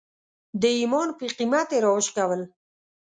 د ایمان په قیمت یې راوشکول.